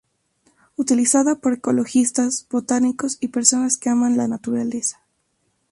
Utilizada por ecologistas, botánicos y personas que aman la naturaleza.